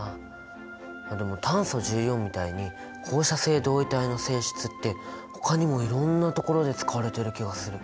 あっでも炭素１４みたいに放射性同位体の性質ってほかにもいろんなところで使われてる気がする。